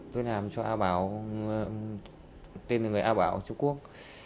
tôi làm cho a bảo tên là người a bảo trung quốc